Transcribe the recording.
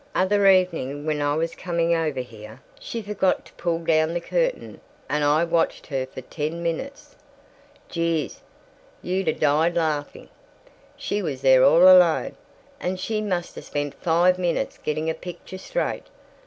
Other evening when I was coming over here, she'd forgot to pull down the curtain, and I watched her for ten minutes. Jeeze, you'd 'a' died laughing. She was there all alone, and she must 'a' spent five minutes getting a picture straight.